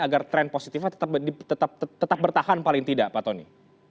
agar tren positifnya tetap bertahan paling tidak pak tony